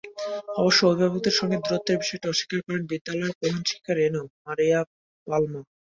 অবশ্য অভিভাবকদের সঙ্গে দূরত্বের বিষয়টি অস্বীকার করেন বিদ্যালয়ের প্রধান শিক্ষিকা রেণু মারিয়া পালমা।